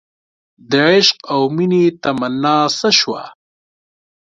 دعشق او مینې تمنا څه شوه